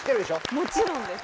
もちろんです